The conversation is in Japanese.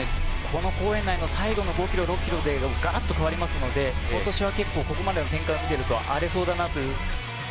この公園内の最後の５キロ、６キロでがらっと変わりますので、ことしは結構、ここまでの展開を見てると荒れそうだなという。